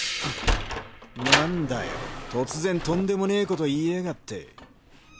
なんだよ突然とんでもねえこと言いやがって。